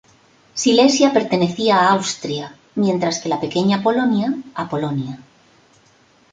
Silesia pertenecía a Austria mientras que la Pequeña Polonia a Polonia.